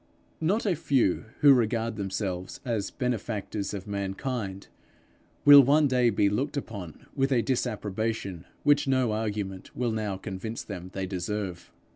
Not a few who now regard themselves as benefactors of mankind, will one day be looked upon with a disapprobation which no argument will now convince them they deserve.